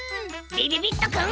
びびびっとくん。